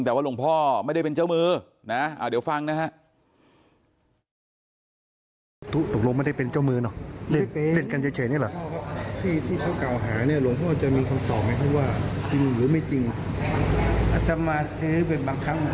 แต่ว่าหลวงพ่อไม่ได้เป็นเจ้ามือนะเดี๋ยวฟังนะฮะ